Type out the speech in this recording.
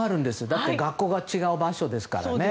だって学校が違う場所ですからね。